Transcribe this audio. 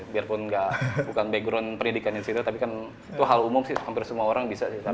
biarpun bukan background pendidikan di situ tapi kan itu hal umum sih hampir semua orang bisa sih